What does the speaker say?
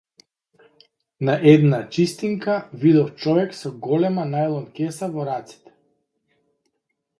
На една чистинка, видов човек со голема најлон кеса во рацете.